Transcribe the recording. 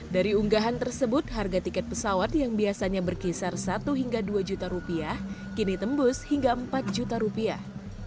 dari unggahan tersebut harga tiket pesawat yang biasanya berkisar satu hingga dua juta rupiah kini tembus hingga empat juta rupiah